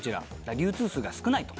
流通数が少ないと。